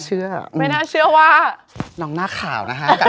ก็ไม่ต่างกันมากนะ